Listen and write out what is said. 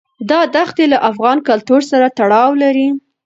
دا دښتې له افغان کلتور سره تړاو لري.